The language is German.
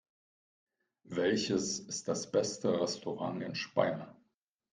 Welches ist das beste Restaurant in Speyer?